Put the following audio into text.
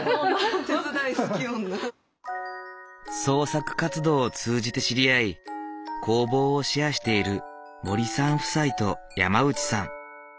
創作活動を通じて知り合い工房をシェアしている森さん夫妻と山内さん。